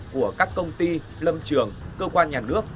của các công ty lâm trường cơ quan nhà nước